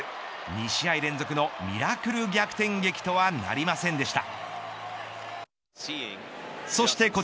２試合連続のミラクル逆転劇とはなりませんでした。